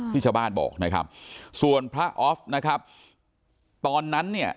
ที่ชาวบ้านบอกนะครับส่วนพระออฟนะครับตอนนั้นเนี่ย